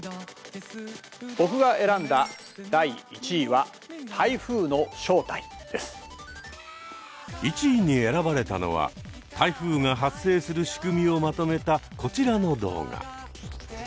僕が選んだ第１位は１位に選ばれたのは台風が発生する仕組みをまとめたこちらの動画。